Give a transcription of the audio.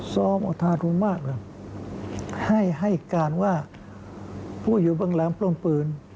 ซ้อมอธารุมากเลยให้การว่าผู้อยู่บางหลังปรงปืน